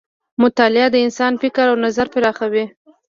مطالعه د انسان فکر او نظر پراخوي.